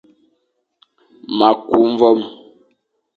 Ma ku mvoom,